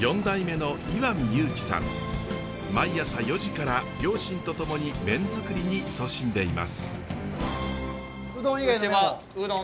毎朝４時から両親と共に麺づくりにいそしんでいます。